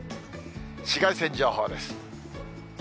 紫外線情報です。